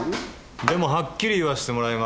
でもはっきり言わせてもらいます。